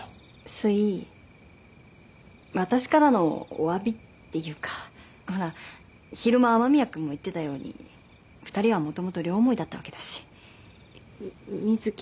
すい私からのおわびっていうかほら昼間雨宮君も言ってたように２人はもともと両思いだったわけだし瑞貴